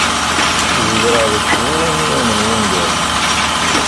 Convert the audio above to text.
Zedreɣ deg tɣuri n yiwen n wungal.